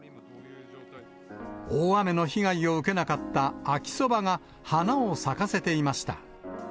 大雨の被害を受けなかった秋そばが、花を咲かせていました。